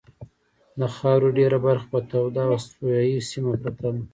د خاورې ډېره برخه په توده او استوایي سیمه پرته ده.